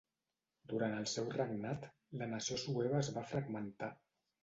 Durant el seu regnat, la nació sueva es va fragmentar.